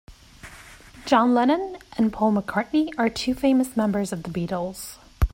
John Lennon and Paul McCartney are two famous members of the Beatles.